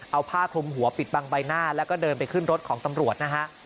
เอาผ้าคลุมหัวปิดบังใบหน้าแล้วก็เดินไปขึ้นรถของตำรวจนะฮะ